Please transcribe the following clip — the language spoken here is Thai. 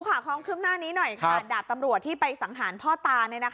ความคืบหน้านี้หน่อยค่ะดาบตำรวจที่ไปสังหารพ่อตา